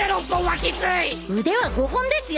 腕は５本ですよ！